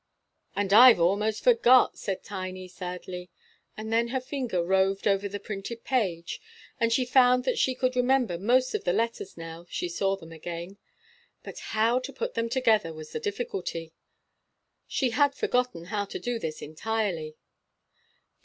"And I've a'most forgot," said Tiny, sadly; and then her finger roved over the printed page, and she found that she could remember most of the letters now she saw them again; but how to put them together was the difficulty. She had forgotten how to do this entirely.